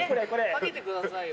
かけてくださいよ。